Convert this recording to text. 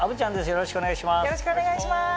よろしくお願いします。